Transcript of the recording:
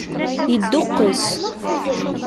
Yedduqqes.